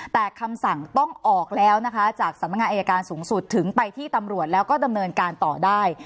แต่คำสั่งต้องออกแล้วนะคะจากสำนักงานอายการสูงสุดถึงไปที่ตำรวจแล้วก็ดำเนินการต่อได้